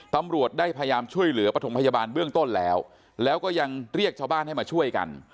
ตำรวจได้พยายามช่วยเหลือปฐมพยาบาลเบื้องต้นแล้วแล้วก็ยังเรียกชาวบ้านให้มาช่วยกัน